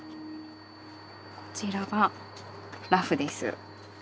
こちらがラフです。